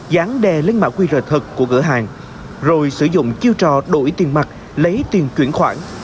dán đe lên mã qr thật của cửa hàng rồi sử dụng chiêu trò đổi tiền mặt lấy tiền chuyển khoản